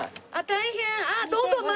大変！